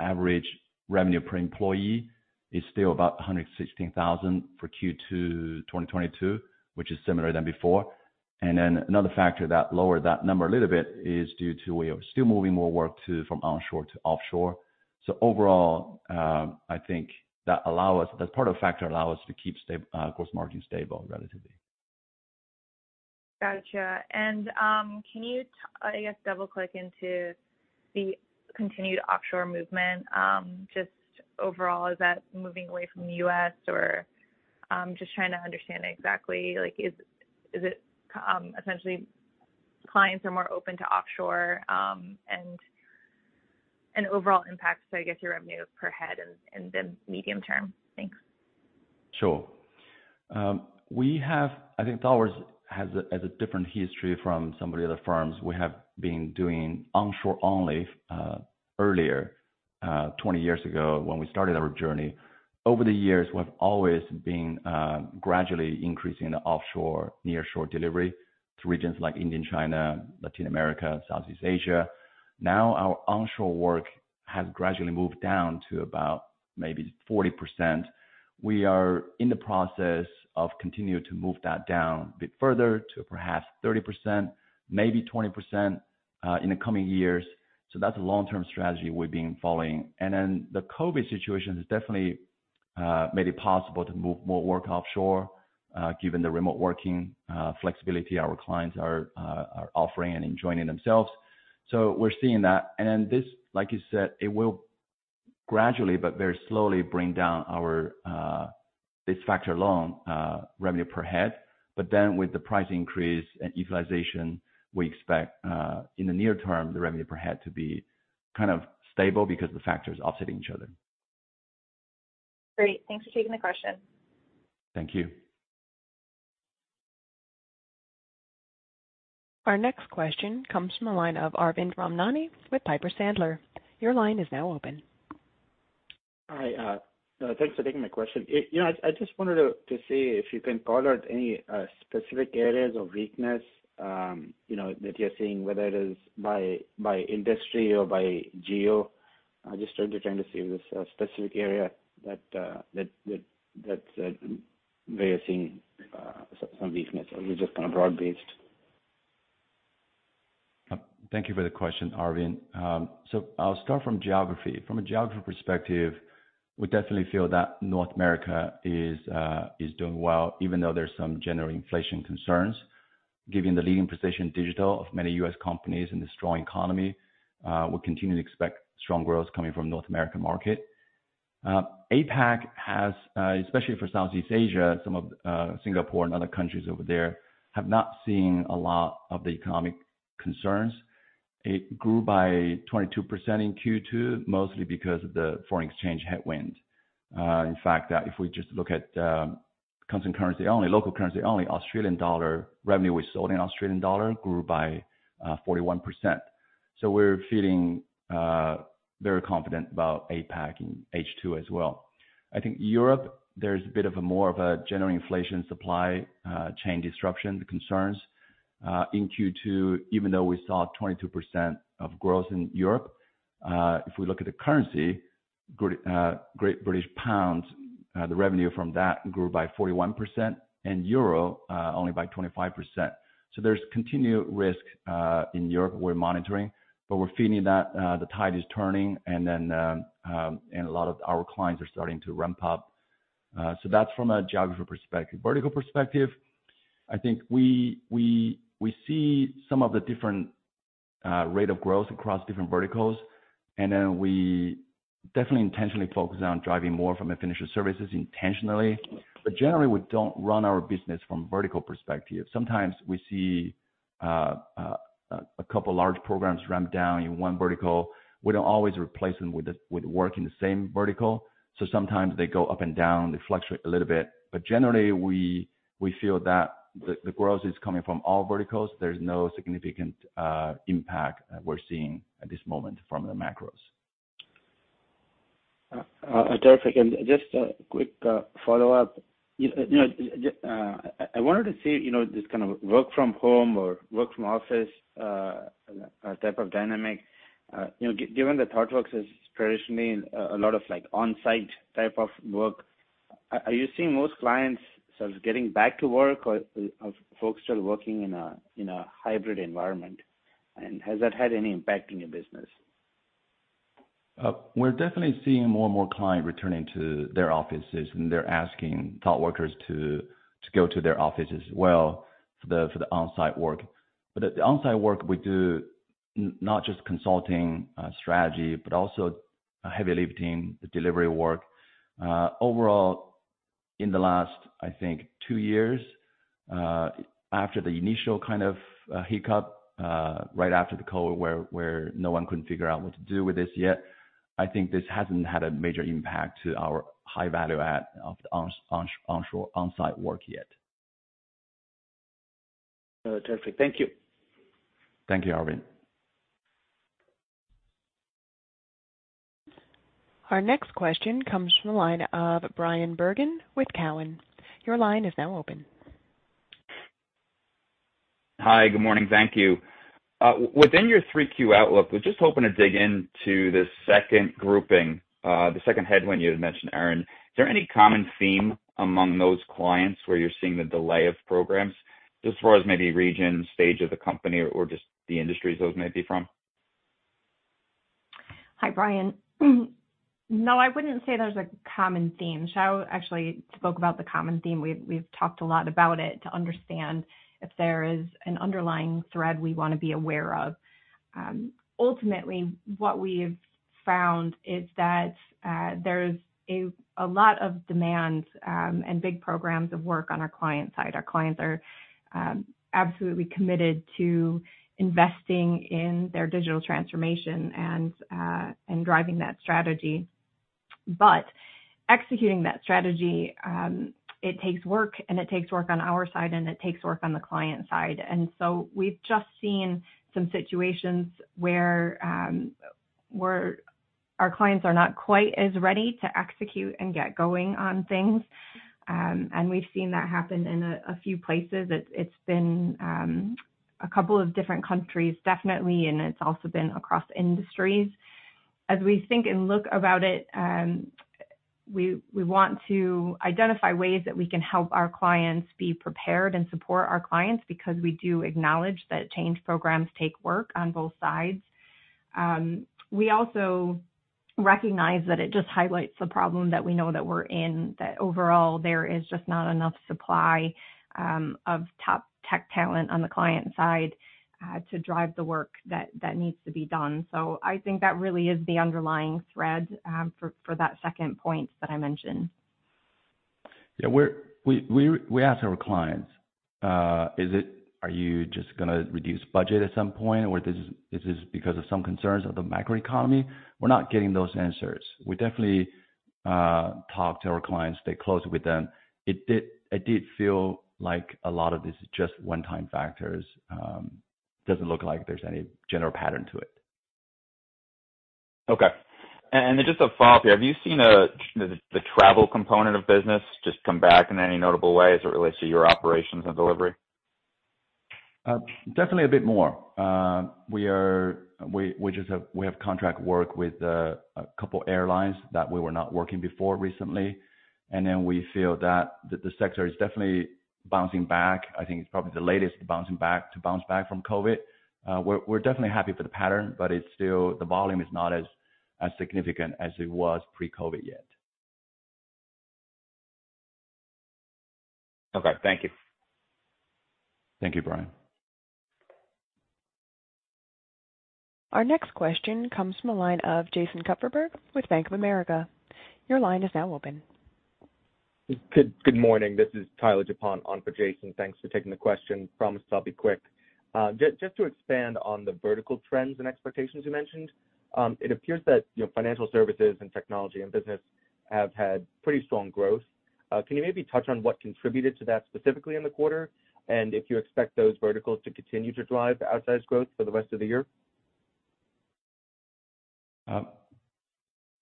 average revenue per employee is still about $116,000 for Q2 2022, which is similar than before. Another factor that lowered that number a little bit is due to we are still moving more work from onshore to offshore. Overall, that's part of the factors that allow us to keep gross margin stable, relatively. Gotcha. Can you, I guess, double-click into the continued offshore movement? Just overall, is that moving away from the US, or I'm just trying to understand exactly, like, is it essentially clients are more open to offshore, and overall impact to, I guess, your revenue per head in the medium term. Thanks. Sure. We have. I think Thoughtworks has a different history from some of the other firms. We have been doing onshore only earlier, 20 years ago, when we started our journey. Over the years, we've always been gradually increasing the offshore, nearshore delivery to regions like India, China, Latin America, Southeast Asia. Now, our onshore work has gradually moved down to about maybe 40%. We are in the process of continuing to move that down a bit further to perhaps 30%, maybe 20%, in the coming years. That's a long-term strategy we've been following. The COVID situation has definitely made it possible to move more work offshore, given the remote working flexibility our clients are offering and enjoying themselves. We're seeing that. This, like you said, it will gradually but very slowly bring down our this factor alone revenue per head. With the price increase and utilization, we expect in the near term the revenue per head to be kind of stable because the factors are offsetting each other. Great. Thanks for taking the question. Thank you. Our next question comes from the line of Arvind Ramnani with Piper Sandler. Your line is now open. Hi. Thanks for taking my question. You know, I just wanted to see if you can call out any specific areas of weakness, you know, that you're seeing, whether it is by industry or by geo. I'm just trying to see if there's a specific area that where you're seeing some weakness, or is it just kind of broad-based? Thank you for the question, Arvind. I'll start from geography. From a geography perspective, we definitely feel that North America is doing well, even though there's some general inflation concerns. Given the leading position in digital of many U.S. companies and the strong economy, we continue to expect strong growth coming from North American market. APAC has, especially for Southeast Asia, some of, Singapore and other countries over there, have not seen a lot of the economic concerns. It grew by 22% in Q2, mostly because of the foreign exchange headwind. In fact, if we just look at, constant currency only, local currency only, Australian dollars revenue we sold in Australian dollars grew by, 41%. We're feeling very confident about APAC in H2 as well. I think Europe, there's a bit of a more of a general inflation supply chain disruption concerns in Q2, even though we saw 22% growth in Europe. If we look at the currency, Great British pound, the revenue from that grew by 41%, and euro only by 25%. There's continued risk in Europe we're monitoring, but we're feeling that the tide is turning and then and a lot of our clients are starting to ramp up. So that's from a geography perspective. Vertical perspective, I think we see some of the different rate of growth across different verticals, and then we definitely intentionally focus on driving more from the FinServ intentionally. Generally, we don't run our business from vertical perspective. Sometimes we see a couple large programs ramp down in one vertical. We don't always replace them with work in the same vertical. Sometimes they go up and down, they fluctuate a little bit. Generally, we feel that the growth is coming from all verticals. There's no significant impact we're seeing at this moment from the macros. Terrific. Just a quick follow-up. You know, I wanted to see, you know, this kind of work from home or work from office type of dynamic. You know, given that Thoughtworks is traditionally a lot of like on-site type of work, are you seeing most clients sort of getting back to work or folks still working in a hybrid environment? Has that had any impact in your business? We're definitely seeing more and more clients returning to their offices, and they're asking Thoughtworkers to go to their office as well for the on-site work. At the on-site work, we do not just consulting, strategy, but also a heavy lifting delivery work. Overall in the last, I think two years, after the initial kind of, hiccup, right after the COVID where no one could figure out what to do with this yet, I think this hasn't had a major impact to our high value add of the on-site work yet. Terrific. Thank you. Thank you, Arvind. Our next question comes from the line of Bryan Bergin with Cowen. Your line is now open. Hi. Good morning. Thank you. Within your 3Q outlook, was just hoping to dig into the second grouping, the second headwind you had mentioned, Erin. Is there any common theme among those clients where you're seeing the delay of programs as far as maybe region, stage of the company or just the industries those may be from? Hi, Brian. No, I wouldn't say there's a common theme. Xiao Guo actually spoke about the common theme. We've talked a lot about it to understand if there is an underlying thread we wanna be aware of. Ultimately, what we've found is that, there's a lot of demand and big programs of work on our client side. Our clients are absolutely committed to investing in their digital transformation and driving that strategy. But executing that strategy, it takes work, and it takes work on our side, and it takes work on the client side. We've just seen some situations where our clients are not quite as ready to execute and get going on things. We've seen that happen in a few places. It's been a couple of different countries, definitely, and it's also been across industries. As we think and look about it, we want to identify ways that we can help our clients be prepared and support our clients because we do acknowledge that change programs take work on both sides. We also recognize that it just highlights the problem that we know that we're in, that overall there is just not enough supply of top tech talent on the client side to drive the work that needs to be done. I think that really is the underlying thread for that second point that I mentioned. Yeah. We ask our clients, are you just gonna reduce budget at some point, or this is because of some concerns of the macro economy? We're not getting those answers. We definitely talk to our clients, stay close with them. It did feel like a lot of this is just one-time factors. Doesn't look like there's any general pattern to it. Okay. Just a follow-up here. Have you seen the travel component of business just come back in any notable way as it relates to your operations and delivery? Definitely a bit more. We just have contract work with a couple airlines that we were not working with before recently, and then we feel that the sector is definitely bouncing back. I think it's probably the last to bounce back from COVID. We're definitely happy for the pattern, but the volume is still not as significant as it was pre-COVID yet. Okay. Thank you. Thank you, Brian. Our next question comes from the line of Jason Kupferberg with Bank of America. Your line is now open. Good morning. This is Tyler DuPont on for Jason. Thanks for taking the question. Promise I'll be quick. Just to expand on the vertical trends and expectations you mentioned, it appears that, you know, financial services and technology and business have had pretty strong growth. Can you maybe touch on what contributed to that specifically in the quarter, and if you expect those verticals to continue to drive the outsized growth for the rest of the year?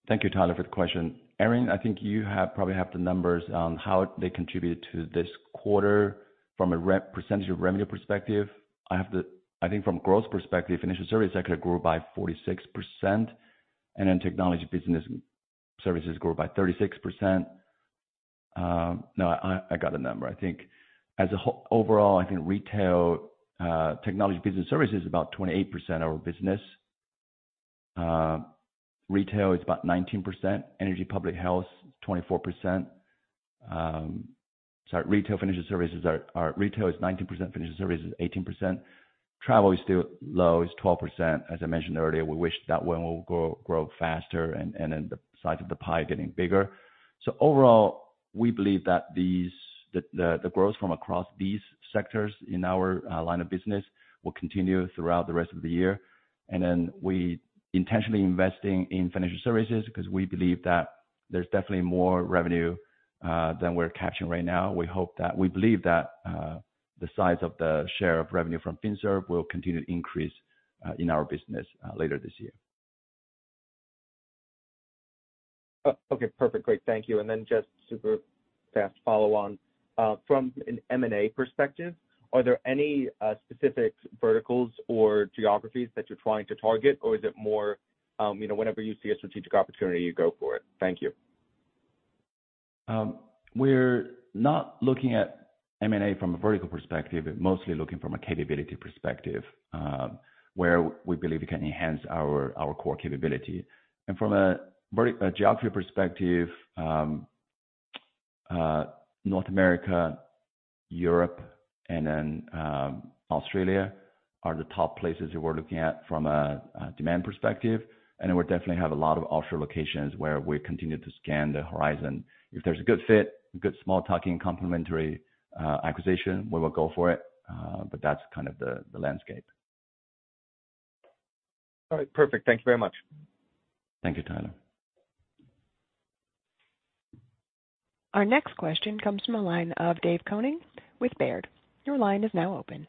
Thank you, Tyler, for the question. Erin, I think you have probably the numbers on how they contributed to this quarter from a percentage of revenue perspective. I think from growth perspective, financial services sector grew by 46%, and then technology business services grew by 36%. No, I got the number. I think overall, I think retail, technology business services is about 28% of our business. Retail is about 19%. Energy, public health, 24%. Sorry, retail financial services are, retail is 19%, financial services is 18%. Travel is still low, it's 12%. As I mentioned earlier, we wish that one will grow faster and then the size of the pie getting bigger. Overall, we believe that the growth from across these sectors in our line of business will continue throughout the rest of the year. Then we intentionally investing in financial services because we believe that there's definitely more revenue than we're capturing right now. We believe that the size of the share of revenue from FinServ will continue to increase in our business later this year. Oh, okay. Perfect. Great. Thank you. Just super fast follow on. From an M&A perspective, are there any specific verticals or geographies that you're trying to target? Or is it more, whenever you see a strategic opportunity, you go for it? Thank you. We're not looking at M&A from a vertical perspective, but mostly looking from a capability perspective, where we believe we can enhance our core capability. From a geography perspective, North America, Europe, and then Australia are the top places that we're looking at from a demand perspective. We definitely have a lot of offshore locations where we continue to scan the horizon. If there's a good fit, a good small tuck-in complementary acquisition, we will go for it. But that's kind of the landscape. All right. Perfect. Thank you very much. Thank you, Tyler. Our next question comes from a line of David Konig with Baird. Your line is now open.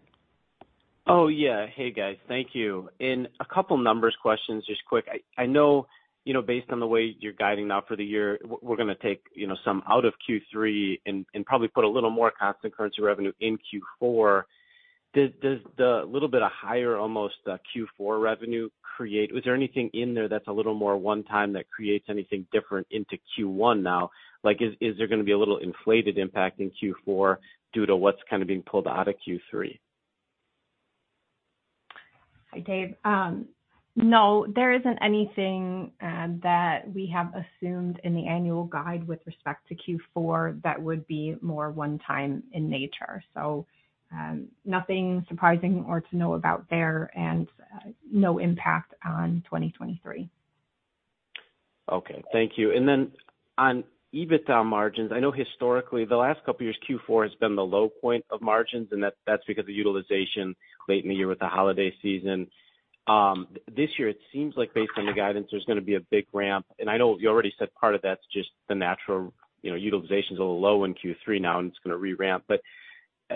Oh, yeah. Hey, guys. Thank you. In a couple numbers questions, just quick. I know, you know, based on the way you're guiding now for the year, we're gonna take, you know, some out of Q3 and probably put a little more constant currency revenue in Q4. Does the little bit of higher almost Q4 revenue create? Was there anything in there that's a little more one-time that creates anything different into Q1 now? Like, is there gonna be a little inflated impact in Q4 due to what's kind of being pulled out of Q3? Hi, Dave. No, there isn't anything that we have assumed in the annual guide with respect to Q4 that would be more one time in nature. Nothing surprising or to know about there and no impact on 2023. Okay. Thank you. On EBITDA margins, I know historically, the last couple of years, Q4 has been the low point of margins, and that's because of utilization late in the year with the holiday season. This year, it seems like based on the guidance, there's gonna be a big ramp. I know you already said part of that's just the natural, you know, utilization's a little low in Q3 now and it's gonna re-ramp.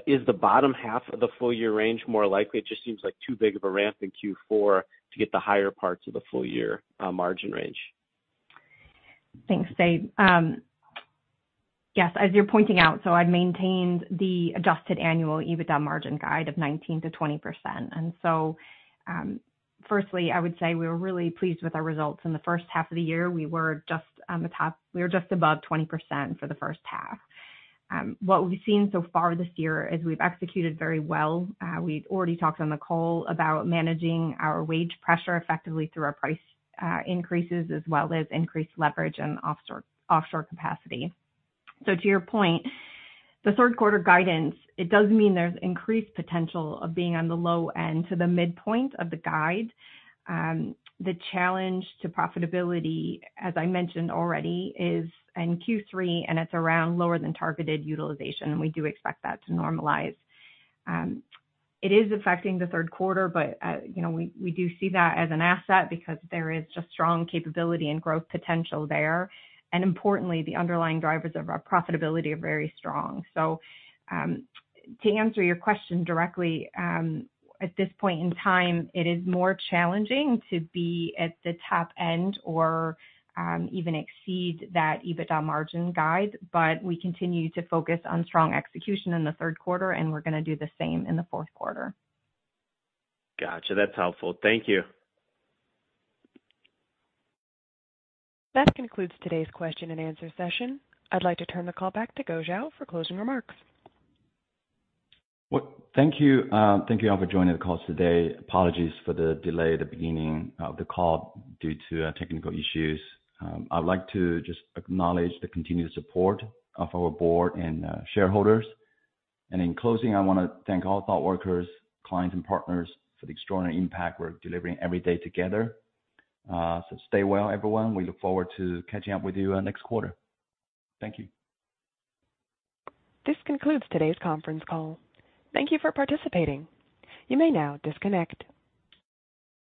Is the bottom half of the full year range more likely? It just seems like too big of a ramp in Q4 to get the higher parts of the full year margin range. Thanks, Dave. Yes, as you're pointing out, I maintained the adjusted annual EBITDA margin guide of 19%-20%. Firstly, I would say we were really pleased with our results in the first half of the year. We were just above 20% for the first half. What we've seen so far this year is we've executed very well. We've already talked on the call about managing our wage pressure effectively through our price increases, as well as increased leverage and offshore capacity. To your point, the third quarter guidance, it does mean there's increased potential of being on the low end to the midpoint of the guide. The challenge to profitability, as I mentioned already, is in Q3, and it's around lower than targeted utilization, and we do expect that to normalize. It is affecting the third quarter, but, you know, we do see that as an asset because there is just strong capability and growth potential there. Importantly, the underlying drivers of our profitability are very strong. To answer your question directly, at this point in time, it is more challenging to be at the top end or even exceed that EBITDA margin guide, but we continue to focus on strong execution in the third quarter, and we're gonna do the same in the fourth quarter. Gotcha. That's helpful. Thank you. That concludes today's question and answer session. I'd like to turn the call back to Guo Xiao for closing remarks. Well, thank you. Thank you all for joining the call today. Apologies for the delay at the beginning of the call due to technical issues. I'd like to just acknowledge the continued support of our board and shareholders. In closing, I wanna thank all ThoughtWorkers, clients and partners for the extraordinary impact we're delivering every day together. Stay well, everyone. We look forward to catching up with you next quarter. Thank you. This concludes today's conference call. Thank you for participating. You may now disconnect.